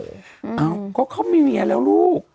เอ้าก็เขามีเมียแล้วลูก